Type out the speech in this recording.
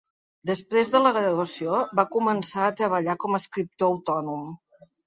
Després de la graduació va començar a treballar com a escriptor autònom.